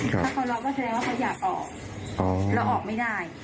ถ้าเขาร้องก็แสดงว่าเขาอยากออกเราออกไม่ได้